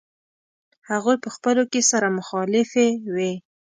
هغوی په خپلو کې سره مخالفې وې.